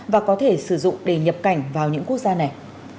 và có thể sử dụng để nhập cảnh vào những quốc gia này